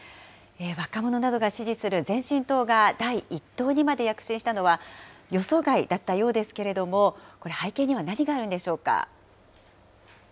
若者などが支持する前進党が第１党にまで躍進したのは、予想外だったようですけれども、これ、背景には何があるんでしょうか。